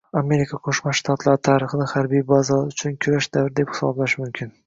Amerika Qo'shma Shtatlari tarixini harbiy bazalar uchun kurash davri deb hisoblash mumkin.